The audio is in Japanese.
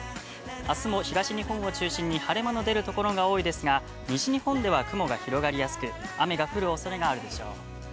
あすも東日本を中心に、晴れ間の出るところが多いですが、西日本では雲が広がりやすく、雨が降るおそれがあるでしょう。